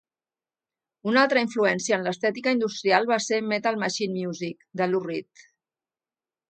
Una altra influència en l'estètica industrial va ser "Metal Machine Music" de Lou Reed.